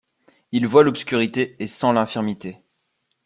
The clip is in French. Il voit l’obscurité et sent l’infirmité.